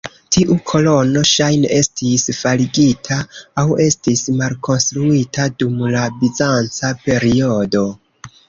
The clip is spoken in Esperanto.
Tiu kolono ŝajne estis faligita aŭ estis malkonstruita dum la bizanca periodo.